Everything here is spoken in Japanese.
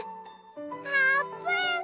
あーぷん！